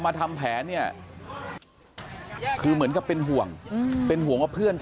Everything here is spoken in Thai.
ต้องมาป้องเพื่อนมาปกป้องเพื่อน